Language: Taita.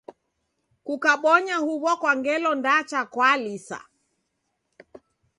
Kukabonya huw'o kwa ngelo ndacha kwalisa.